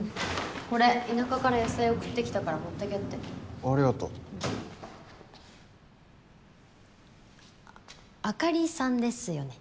これ田舎から野菜送ってきたから持ってけってありがとうあかりさんですよね？